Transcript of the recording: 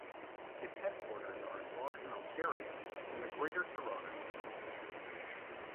Its headquarters are in Vaughan, Ontario in the Greater Toronto Area.